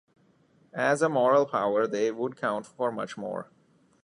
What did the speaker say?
As a moral power they would count for much more.